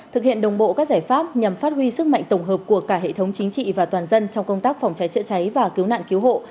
thực hiện đồng bộ các giải pháp nhằm phát huy sức mạnh tổng hợp của cả hệ thống chính trị và toàn dân trong công tác phòng cháy chữa cháy và cứu nạn cứu hộ